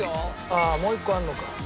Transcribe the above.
ああもう一個あるのか。